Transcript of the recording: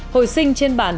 hồi sinh trên bản